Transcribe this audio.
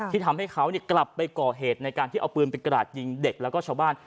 ทำให้เขากลับไปก่อเหตุในการที่เอาปืนไปกราดยิงเด็กแล้วก็ชาวบ้าน